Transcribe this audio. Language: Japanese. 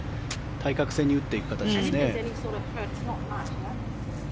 対角線に打っていく形ですね。